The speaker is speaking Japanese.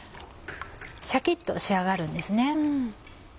シャキっと仕上がるんですね。